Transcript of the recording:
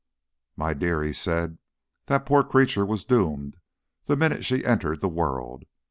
"My dear," he said, "that poor creature was doomed the moment she entered the world.